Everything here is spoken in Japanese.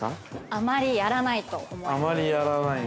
◆あまりやらないと思います。